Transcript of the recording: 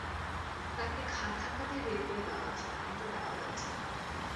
তাকে ঘাড় ধাক্কা দিয়ে বের করে দেওয়া উচিত, কিন্তু দেওয়া যাচ্ছে না।